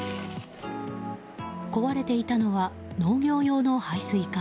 壊れていたのは農業用の配水管。